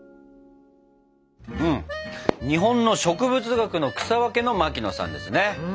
日本の植物学の草分けの牧野さんですね。